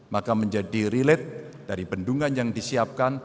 maka menjadi relate dari bendungan yang disiapkan